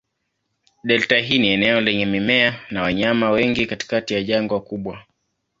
Delta hii ni eneo lenye mimea na wanyama wengi katikati ya jangwa kubwa.